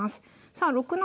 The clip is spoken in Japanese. さあ６七